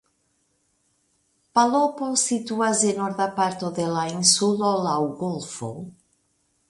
Palopo situas en norda parto de la insulo laŭ golfo.